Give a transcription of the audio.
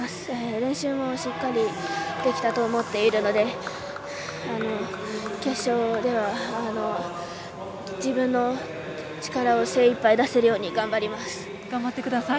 練習もしっかりできたと思っているので決勝では、自分の力を精いっぱい出せるように頑張ってください。